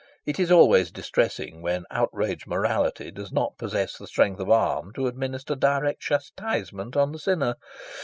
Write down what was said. It is always distressing when outraged morality does not possess the strength of arm to administer direct chastisement on the sinner.